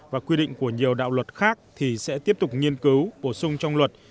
và quy định của nhiều đạo luật khác thì sẽ tiếp tục nghiên cứu bổ sung trong luật